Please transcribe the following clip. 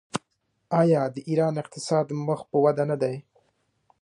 آیا د ایران اقتصاد مخ په وده نه دی؟